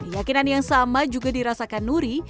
keyakinan yang sama juga dirasakan nuri